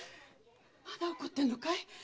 まだ怒ってるのかい？